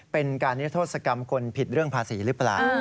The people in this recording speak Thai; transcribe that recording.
เป็นการนิทธศกรรมคนผิดเรื่องภาษีหรือเปล่า